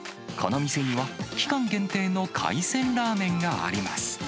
この店には期間限定の海鮮ラーメンがあります。